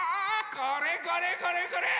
これこれこれこれ！